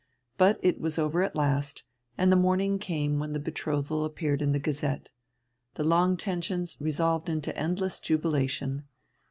But it was over at last, and the morning came when the betrothal appeared in the Gazette. The long tensions resolved into endless jubilation.